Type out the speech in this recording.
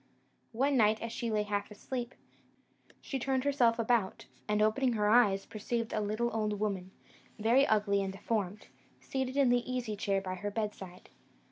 "One night, as she lay half asleep, she turned herself about, and, opening her eyes, perceived a little old woman, very ugly and deformed, seated in the easy chair by her bedside.